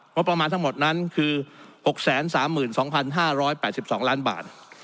ประมาณทั้งหมดนั้นคือ๖๓๒๕๘๒ล้านบาท